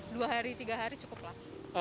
dua hari tiga hari cukup lah